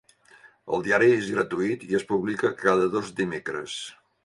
El diari és gratuït i es publica cada dos dimecres.